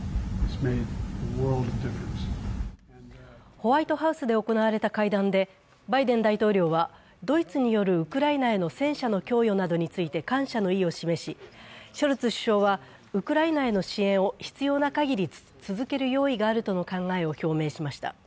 ホワイトハウスで行われた会談でバイデン大統領はドイツによるウクライナへの戦車の供与などについて感謝の意を示し、ショルツ首相は、ウクライナへの支援を必要なかぎり続ける用意があるとの考えを表明しました。